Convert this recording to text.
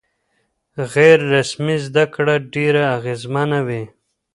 غیر رسمي زده کړه ډېره اغېزمنه وي.